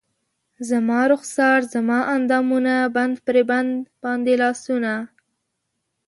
زما رخسار زما اندامونه بند پر بند باندې لاسونه